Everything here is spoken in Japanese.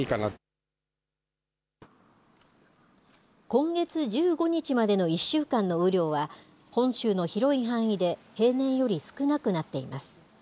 今月１５日までの１週間の雨量は、本州の広い範囲で平年より少なくなっています。